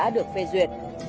được phê duyệt